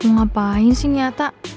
ngapain sih nyata